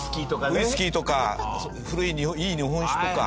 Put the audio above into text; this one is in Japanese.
ウイスキーとか古いいい日本酒とか。